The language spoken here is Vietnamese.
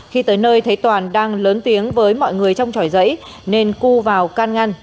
khi tới nơi thấy toàn đang lớn tiếng với mọi người trong tròi giấy nên cưu vào can ngăn